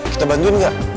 kita bantuin gak